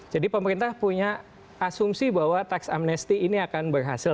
jadi pemerintah punya asumsi bahwa tax amnesty ini akan berhasil